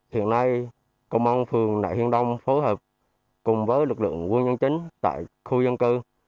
hiện nay công an phường nại hiên đông phối hợp cùng với lực lượng quân nhân chính tại khu dân cư